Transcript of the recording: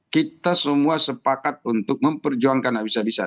kita semua sepakat untuk memperjuangkan yang bisa bisa